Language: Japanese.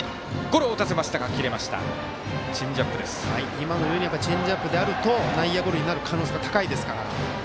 今のようにチェンジアップであると内野ゴロになる可能性高いですから。